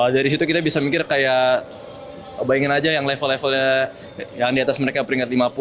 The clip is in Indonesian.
dari situ kita bisa mikir kayak bayangin aja yang level levelnya yang di atas mereka peringkat lima puluh